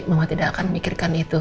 mama tidak akan mikirkan itu